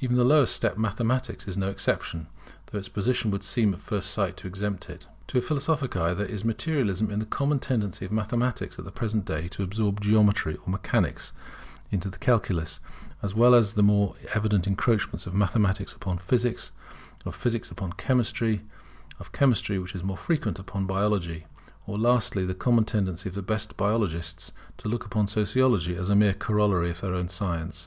Even the lowest step, Mathematics, is no exception, though its position would seem at first sight to exempt it. To a philosophic eye there is Materialism in the common tendency of mathematicians at the present day to absorb Geometry or Mechanics into the Calculus, as well as in the more evident encroachments of Mathematics upon Physics, of Physics upon Chemistry, of Chemistry, which is more frequent, upon Biology, or lastly in the common tendency of the best biologists to look upon Sociology as a mere corollary of their own science.